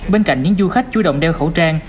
bên cạnh những du khách chú động đeo khẩu trang